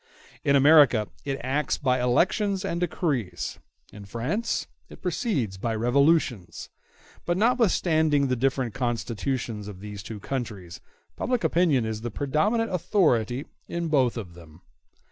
In America, it acts by elections and decrees; in France it proceeds by revolutions; but notwithstanding the different constitutions of these two countries, public opinion is the predominant authority in both of them.